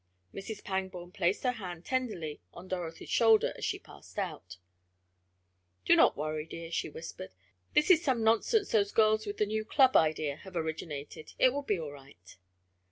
Mrs. Pangborn placed her hand tenderly on Dorothy's shoulder as she passed out. "Do not worry, dear," she whispered. "This is some nonsense those girls with the new club idea have originated. It will be all right."